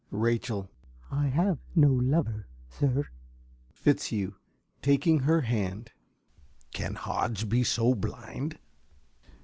~Rachel.~ I have no lover, Sir. ~Fitzhugh~ (taking her hand). Can Hodge be so blind?